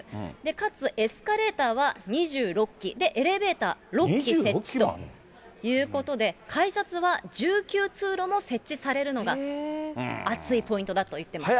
かつエスカレーターは２６基、エレベーター６基設置ということで、改札は１９通路も設置されるのがあついポイントだと言ってました。